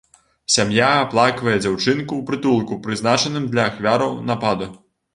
Сям'я аплаквае дзяўчынку ў прытулку, прызначаным для ахвяраў нападу.